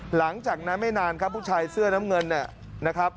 หลังจากนั้นไม่นานครับผู้ชายเสื้อน้ำเงินเนี่ยนะครับ